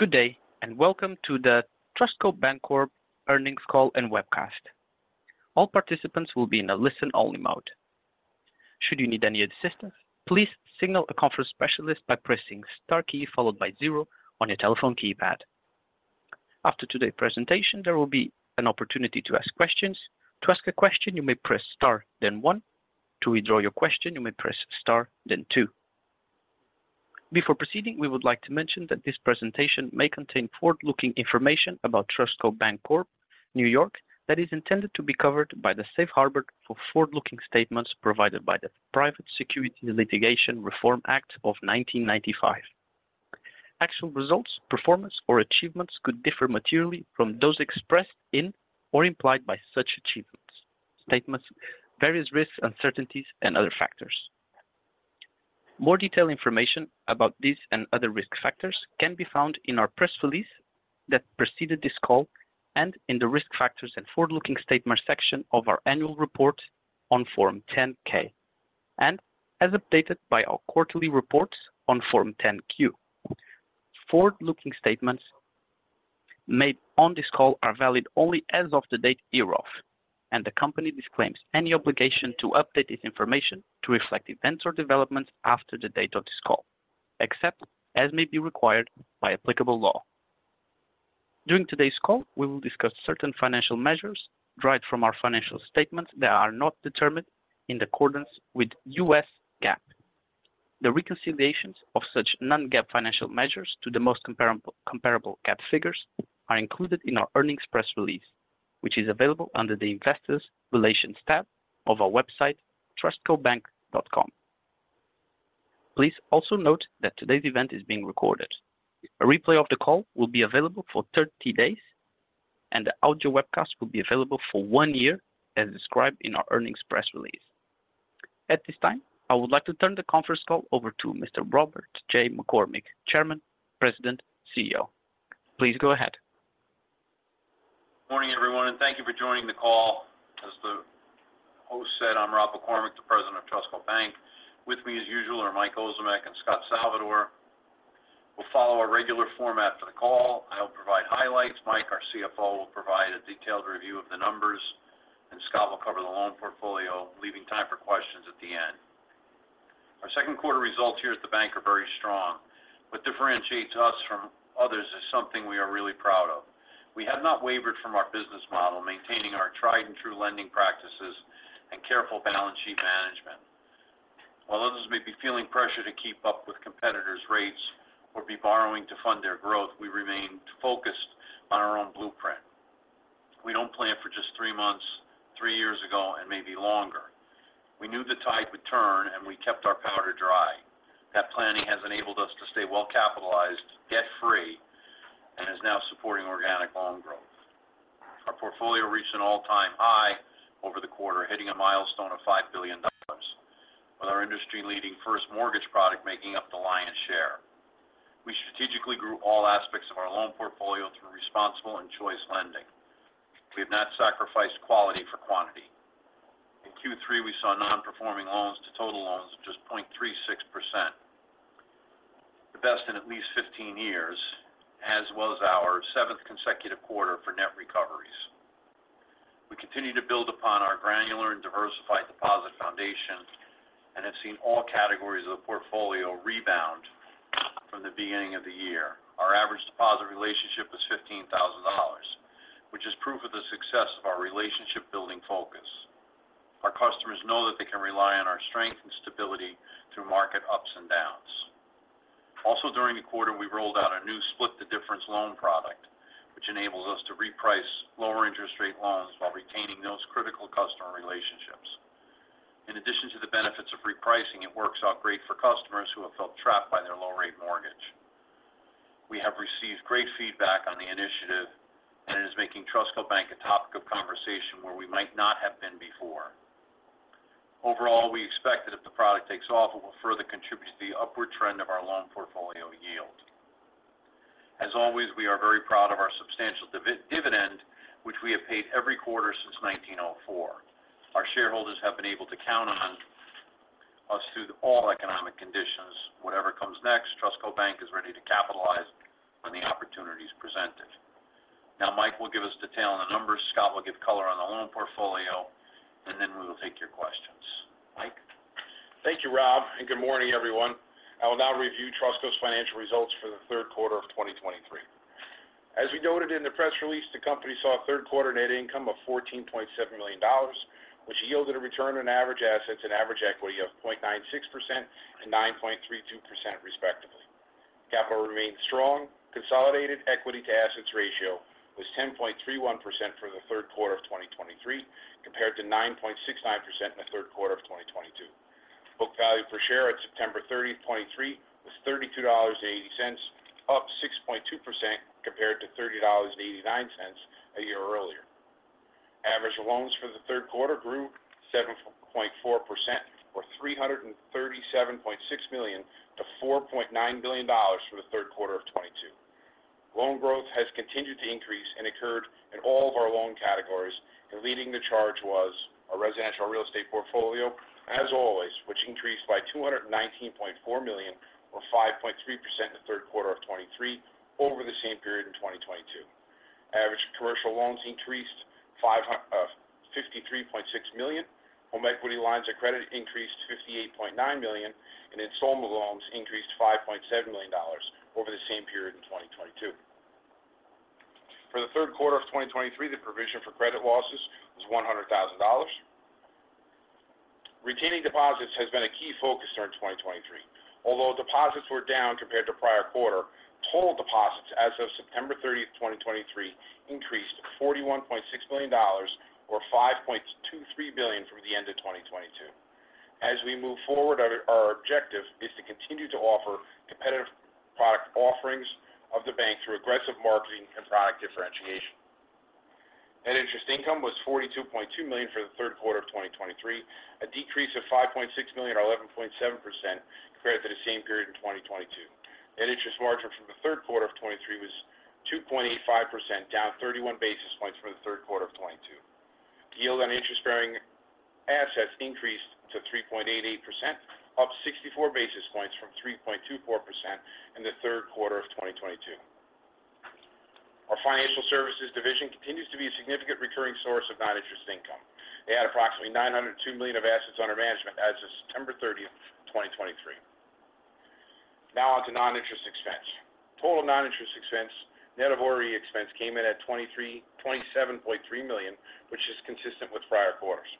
Good day, and welcome to the TrustCo Bancorp Earnings Call and Webcast. All participants will be in a listen-only mode. Should you need any assistance, please signal a conference specialist by pressing Star key, followed by zero on your telephone keypad. After today's presentation, there will be an opportunity to ask questions. To ask a question, you may press Star, then one. To withdraw your question, you may press Star, then two. Before proceeding, we would like to mention that this presentation may contain forward-looking information about TrustCo Bancorp, New York, that is intended to be covered by the safe harbor for forward-looking statements provided by the Private Securities Litigation Reform Act of 1995. Actual results, performance, or achievements could differ materially from those expressed in or implied by such achievements, statements, various risks, uncertainties, and other factors. More detailed information about these and other risk factors can be found in our press release that preceded this call and in the Risk Factors and Forward-Looking Statement section of our annual report on Form 10-K, and as updated by our quarterly reports on Form 10-Q. Forward-looking statements made on this call are valid only as of the date hereof, and the company disclaims any obligation to update this information to reflect events or developments after the date of this call, except as may be required by applicable law. During today's call, we will discuss certain financial measures derived from our financial statements that are not determined in accordance with U.S. GAAP. The reconciliations of such non-GAAP financial measures to the most comparable, comparable GAAP figures are included in our earnings press release, which is available under the Investors Relations tab of our website, trustcobank.com. Please also note that today's event is being recorded. A replay of the call will be available for 30 days, and the audio webcast will be available for one year, as described in our earnings press release. At this time, I would like to turn the conference call over to Mr. Robert J. McCormick, Chairman, President, CEO. Please go ahead. Morning, everyone, and thank you for joining the call. As the host said, I'm Rob McCormick, the President of Trustco Bank. With me, as usual, are Mike Ozimek and Scott Salvador. We'll follow our regular format for the call. I'll provide highlights. Mike, our CFO, will provide a detailed review of the numbers, and Scott will cover the loan portfolio, leaving time for questions at the end. Our Q2 results here at the bank are very strong. What differentiates us from others is something we are really proud of. We have not wavered from our business model, maintaining our tried-and-true lending practices and careful balance sheet management. While others may be feeling pressure to keep up with competitors' rates or be borrowing to fund their growth, we remain focused on our own blueprint. We don't plan for just three months, three years ago, and maybe longer. We knew the tide would turn, and we kept our powder dry. That planning has enabled us to stay well-capitalized, debt-free, and is now supporting organic loan growth. Our portfolio reached an all-time high over the quarter, hitting a milestone of $5 billion, with our industry-leading first mortgage product making up the lion's share. We strategically grew all aspects of our loan portfolio through responsible and choice lending. We have not sacrificed quality for quantity. In Q3, we saw non-performing loans to total loans of just 0.36%, the best in at least 15 years, as well as our seventh consecutive quarter for net recoveries. We continue to build upon our granular and diversified deposit foundation and have seen all categories of the portfolio rebound from the beginning of the year. Our average deposit relationship was $15,000, which is proof of the success of our relationship-building focus. Our customers know that they can rely on our strength and stability through market ups and downs. Also, during the quarter, we rolled out a new Split the Difference loan product, which enables us to reprice lower interest rate loans while retaining those critical customer relationships. In addition to the benefits of repricing, it works out great for customers who have felt trapped by their low-rate mortgage. We have received great feedback on the initiative, and it is making Trustco Bank a topic of conversation where we might not have been before. Overall, we expect that if the product takes off, it will further contribute to the upward trend of our loan portfolio yield. As always, we are very proud of our substantial dividend, which we have paid every quarter since 1904. Our shareholders have been able to count on us through all economic conditions. Whatever comes next, TrustCo Bank is ready to capitalize when the opportunity is presented. Now, Mike will give us detail on the numbers, Scott will give color on the loan portfolio, and then we will take your questions. Mike? Thank you, Rob, and good morning, everyone. I will now review TrustCo's financial results for the Q3 of 2023. As we noted in the press release, the company saw a Q3 net income of $14.7 million, which yielded a return on average assets and average equity of 0.96% and 9.32%, respectively. Capital remains strong. Consolidated equity to assets ratio was 10.31% for the Q3 of 2023, compared to 9.69% in the Q3 of 2022. Book value per share on September 30, 2023, was $32.80, up 6.2% compared to $30.89 a year earlier. Average loans for the Q3 grew 7.4% or $337.6 million to $4.9 billion for the Q3 of 2022. Loan growth has continued to increase and occurred in all of our loan categories, and leading the charge was our residential real estate portfolio, as always, which increased by $219.4 million or 5.3% in the Q3 of 2023 over the same period in 2022. Average commercial loans increased $53.6 million. Home equity lines of credit increased to $58.9 million, and installment loans increased $5.7 million over the same period in 2022. For the Q3 of 2023, the provision for credit losses was $100,000. Retaining deposits has been a key focus during 2023. Although deposits were down compared to prior quarter, total deposits as of September 30, 2023, increased to $41.6 million or $5.23 billion from the end of 2022. As we move forward, our objective is to continue to offer competitive product offerings of the bank through aggressive marketing and product differentiation. Net interest income was $42.2 million for the Q3 of 2023, a decrease of $5.6 million or 11.7% compared to the same period in 2022. Net interest margin from the Q3 of 2023 was 2.85%, down 31 basis points from the Q3 of 2022. The yield on interest-bearing assets increased to 3.88%, up 64 basis points from 3.24% in the Q3 of 2022. Our financial services division continues to be a significant recurring source of non-interest income. They had approximately $902 million of assets under management as of September 30, 2023. Now on to non-interest expense. Total non-interest expense, net of ORE expense, came in at $27.3 million, which is consistent with prior quarters.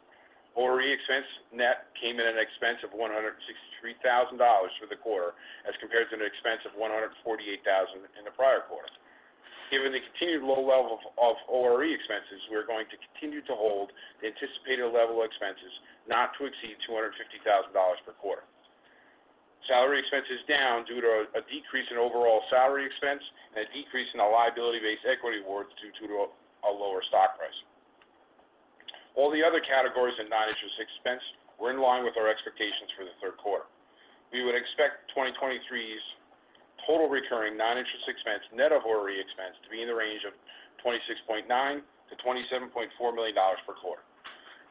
ORE expense net came in at an expense of $163,000 for the quarter, as compared to an expense of $148,000 in the prior quarter. Given the continued low level of ORE expenses, we're going to continue to hold the anticipated level of expenses not to exceed $250,000 per quarter. Salary expense is down due to a decrease in overall salary expense and a decrease in the liability-based equity awards due to a lower stock price. All the other categories in non-interest expense were in line with our expectations for the Q3. We would expect 2023's total recurring non-interest expense, net of ORE expense, to be in the range of $26.9 to 27.4 million per quarter.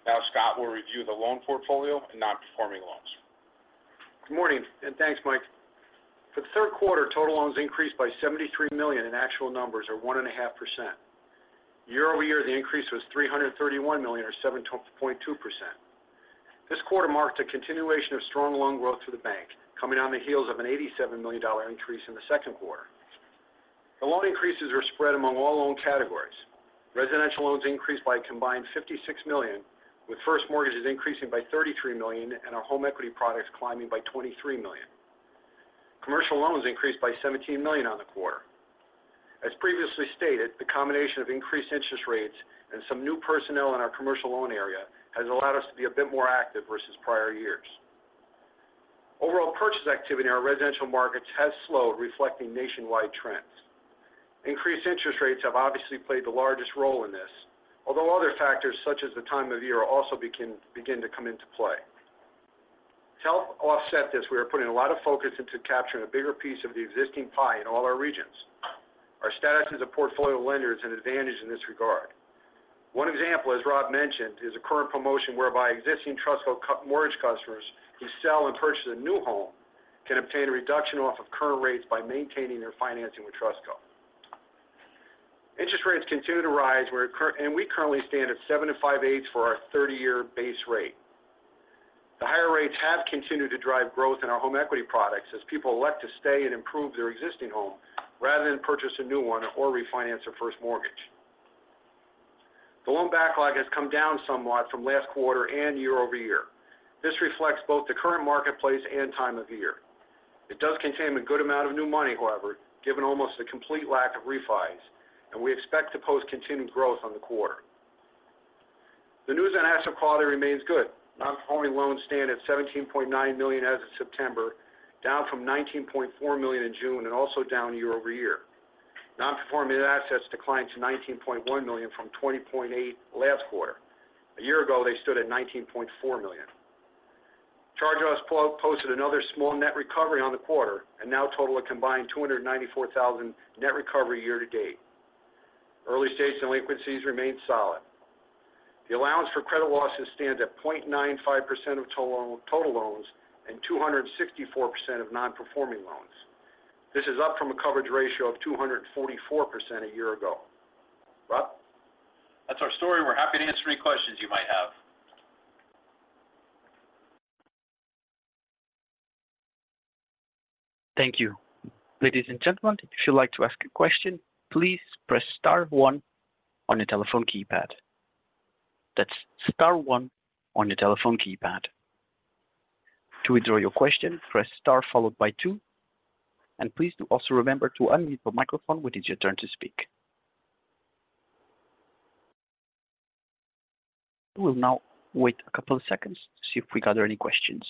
Now, Scott will review the loan portfolio and non-performing loans. Good morning, and thanks, Mike. For the Q3, total loans increased by $73 million in actual numbers or 1.5%. Year-over-year, the increase was $331 million, or 7.2%. This quarter marked a continuation of strong loan growth for the bank, coming on the heels of an $87 million increase in the Q2. The loan increases were spread among all loan categories. Residential loans increased by a combined $56 million, with first mortgages increasing by $33 million and our home equity products climbing by $23 million. Commercial loans increased by $17 million on the quarter. As previously stated, the combination of increased interest rates and some new personnel in our commercial loan area has allowed us to be a bit more active versus prior years. Overall purchase activity in our residential markets has slowed, reflecting nationwide trends. Increased interest rates have obviously played the largest role in this, although other factors, such as the time of year, also begin to come into play. To help offset this, we are putting a lot of focus into capturing a bigger piece of the existing pie in all our regions. Our status as a portfolio lender is an advantage in this regard. One example, as Rob mentioned, is a current promotion whereby existing Trustco mortgage customers who sell and purchase a new home can obtain a reduction off of current rates by maintaining their financing with Trustco. Interest rates continue to rise, and we currently stand at 7 5/8% for our 30-year base rate. The higher rates have continued to drive growth in our home equity products as people elect to stay and improve their existing home rather than purchase a new one or refinance their first mortgage. The loan backlog has come down somewhat from last quarter and year-over-year. This reflects both the current marketplace and time of year. It does contain a good amount of new money, however, given almost a complete lack of refis, and we expect to post continued growth on the quarter. The news on asset quality remains good. Non-Performing Loans stand at $17.9 million as of September, down from $19.4 million in June and also down year-over-year. Non-Performing Assets declined to $19.1 million from $20.8 million last quarter. A year ago, they stood at $19.4 million. Charge-offs posted another small net recovery on the quarter and now total a combined $294,000 net recovery year to date. Early-stage delinquencies remain solid. The allowance for credit losses stands at 0.95% of total loans and 264% of non-performing loans. This is up from a coverage ratio of 244% a year ago. Rob? That's our story. We're happy to answer any questions you might have. Thank you. Ladies and gentlemen, if you'd like to ask a question, please press star one on your telephone keypad. That's star one on your telephone keypad. To withdraw your question, press star followed by two, and please do also remember to unmute your microphone when it is your turn to speak. We will now wait a couple of seconds to see if we gather any questions.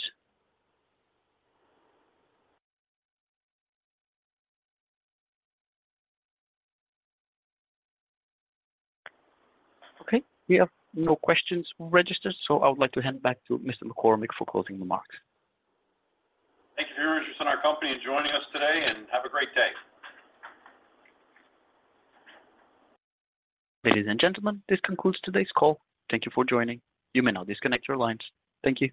Okay, we have no questions registered, so I would like to hand it back to Mr. McCormick for closing remarks. Thank you for your interest in our company and joining us today and have a great day. Ladies and gentlemen, this concludes today's call. Thank you for joining. You may now disconnect your lines. Thank you.